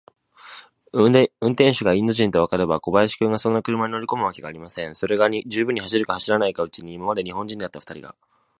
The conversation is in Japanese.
運転手がインド人とわかれば、小林君がそんな車に乗りこむわけがありません。それが、十分も走るか走らないうちに、今まで日本人であったふたりが、